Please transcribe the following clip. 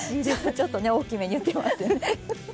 ちょっとね大きめに言ってますね。